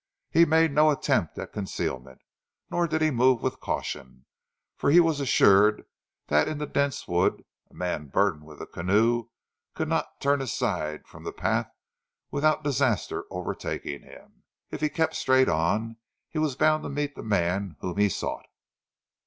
He made no attempt at concealment, nor did he move with caution, for he was assured that in the dense wood a man burdened with a canoe could not turn aside from the path without disaster overtaking him. If he kept straight on he was bound to meet the man whom he sought.